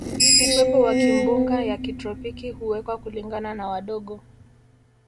Upepo wa kimbunga ya kitropiki huwekwa kulingana na wadogo